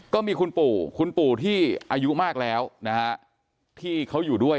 ก็มีคุณปู่คุณปู่ที่อายุมากแล้วนะฮะที่เขาอยู่ด้วย